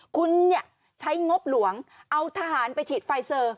คุณใช้งบหลวงเอาทหารไปฉีดไฟเซอร์